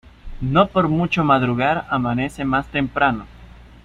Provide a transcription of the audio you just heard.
No por mucho madrugar amanece más temprano.